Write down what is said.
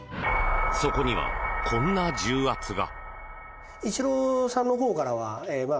そこにはこんな重圧が。